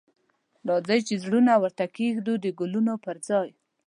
راځئ چې زړونه ورته کښیږدو د ګلونو پر ځای